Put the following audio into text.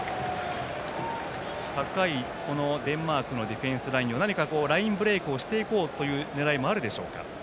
高いデンマークのディフェンスラインを何かラインブレークをしていこうという狙いもあるでしょうか。